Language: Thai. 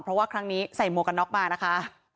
เพราะว่าครั้งนี้ใส่หมวกกันน็อกมานะคะ